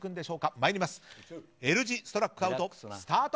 参りますＬ字ストラックアウトスタート！